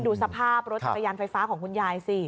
ดูสภาพรถจักรยานไฟฟ้าของคุณยายสิ